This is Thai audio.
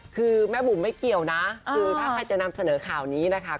คือแม่บุ๋มไม่เกี่ยวนะคือถ้าใครจะนำเสนอข่าวนี้นะคะ